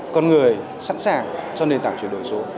con người sẵn sàng cho nền tảng chuyển đổi số